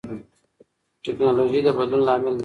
ټیکنالوژي د بدلون لامل ګرځي.